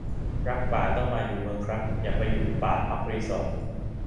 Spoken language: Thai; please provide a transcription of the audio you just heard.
รักป่าต้องมาอยู่เมืองครับ อย่าไปอยู่ป่าพักรีสอร์ต